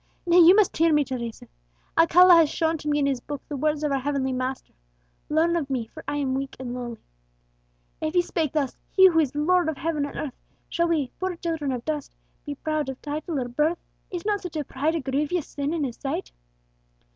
Nay, you must hear me, Teresa. Alcala has shown to me in his Book the words of our heavenly Master, 'Learn of Me, for I am meek and lowly.' If He spake thus, He who is Lord of heaven and earth, shall we, poor children of dust, be proud of title or birth? Is not such pride a grievous sin in His sight?"